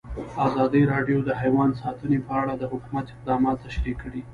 ازادي راډیو د حیوان ساتنه په اړه د حکومت اقدامات تشریح کړي.